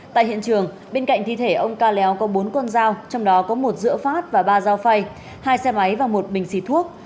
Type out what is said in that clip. tại hiện trường bên cạnh thi thể ông ca léo có bốn con dao trong đó có một giữa phát và ba dao phay hai xe máy và một bình xịt thuốc